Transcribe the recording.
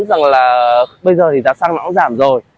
rằng là bây giờ thì giá xăng nó cũng giảm rồi